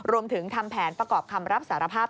ทำแผนประกอบคำรับสารภาพ